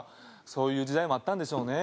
「そういう時代もあったんでしょうね」